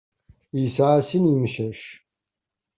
Yesεa sin imcac.